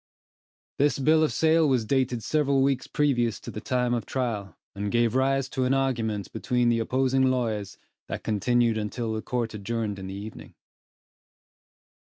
This bill of sale was dated several weeks previous to the time of trial, and gave rise to an argument between the opposing lawyers that continued until the court adjourned in the evening.